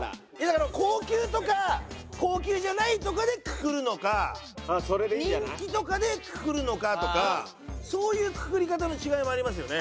だから高級とか高級じゃないとかでくくるのか人気とかでくくるのかとかそういうくくり方の違いもありますよね。